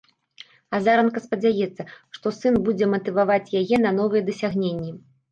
Азаранка спадзяецца, што сын будзе матываваць яе на новыя дасягненні.